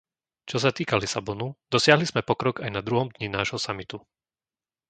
Čo sa týka Lisabonu, dosiahli sme pokrok aj na druhom dni nášho samitu.